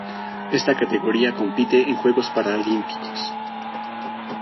Esta categoría compite en los Juegos Paralímpicos.